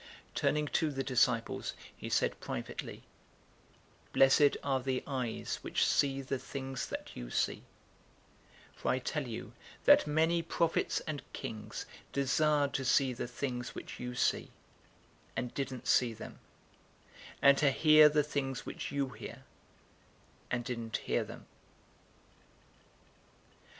010:023 Turning to the disciples, he said privately, "Blessed are the eyes which see the things that you see, 010:024 for I tell you that many prophets and kings desired to see the things which you see, and didn't see them, and to hear the things which you hear, and didn't hear them."